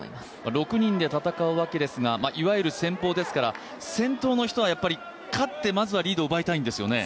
６人で戦うわけですがいわゆる先ぽうですから先頭の人は勝って、まずはリードを奪いたいんですよね。